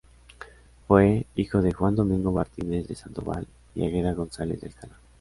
Fue hijo de Juan Domingo Martínez de Sandoval y Águeda González de Alcalá.